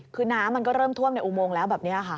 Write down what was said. คือน้ำมันก็เริ่มท่วมในอุโมงแล้วแบบนี้ค่ะ